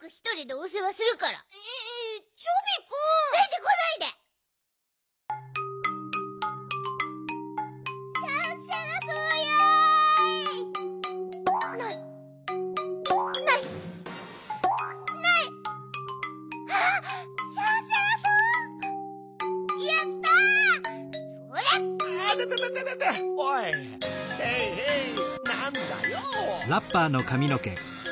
おいへいへいなんだよ！